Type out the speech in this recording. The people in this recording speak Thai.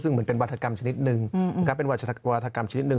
ซึ่งเหมือนเป็นวัฒนากรรมชนิดหนึ่ง